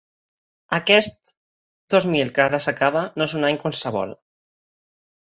Aquest dos mil que ara s'acaba no és un any qualsevol.